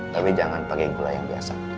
tapi jangan pakai gula yang biasa